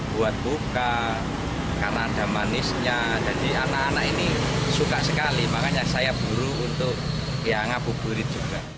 buat buka karena ada manisnya jadi anak anak ini suka sekali makanya saya buru untuk ya ngabuburit juga